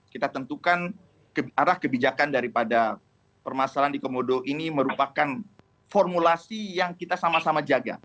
kita tentukan arah kebijakan daripada permasalahan di komodo ini merupakan formulasi yang kita sama sama jaga